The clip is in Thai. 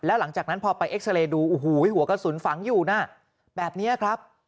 แล้วหลังจากนั้นพอไปเอ็กซาเรย์ดูโอ้โหหัวกระสุนฝังอยู่นะแบบนี้ครับ